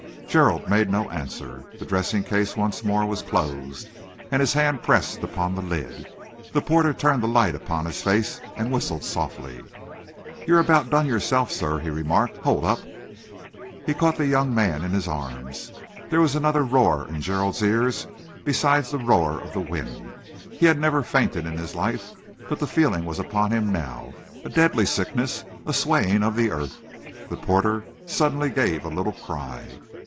Gerald made no answer. The dressing case once more was closed, and his hand pressed upon the lid. The porter turned the light upon his face and whistled softly. "You're about done yourself, sir," he remarked. "Hold up." He caught the young man in his arms. There was another roar in Gerald's ears besides the roar of the wind. He had never fainted in his life, but the feeling was upon him now a deadly sickness, a swaying of the earth. The porter suddenly gave a little cry.